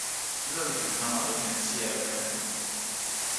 ilo li ken pana lukin e sijelo kepeken ona.